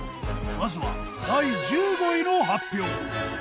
まずは第１５位の発表。